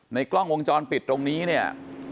กล้องวงจรปิดตรงนี้เนี่ย